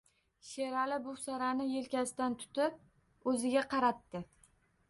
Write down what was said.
Sherali Buvsarani elkasidan tutib o`ziga qaratdi